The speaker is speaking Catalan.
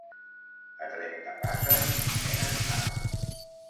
a Trentapasses venen sal